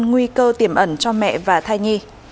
nguy cơ tiềm ẩn cho mẹ và thai nhi